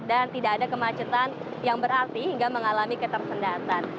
dan tidak ada kemacetan yang berarti hingga mengalami ketersendatan